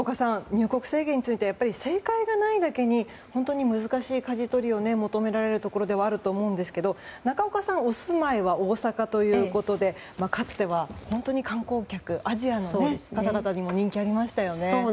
入国制限について正解がないだけに本当に難しいかじ取りを求められるところではあると思いますが仲岡さん、お住まいは大阪ということでかつては本当に観光客アジアの方々にも人気がありましたよね。